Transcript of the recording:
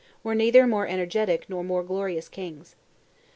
were neither more energetic nor more glorious kings.